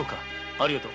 ありがとう。